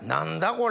これ。